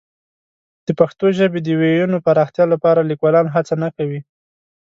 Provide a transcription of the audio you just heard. د پښتو ژبې د وییونو پراختیا لپاره لیکوالان هڅه نه کوي.